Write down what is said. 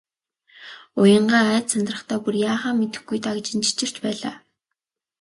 Уянгаа айж сандрахдаа бүр яахаа мэдэхгүй дагжин чичирч байлаа.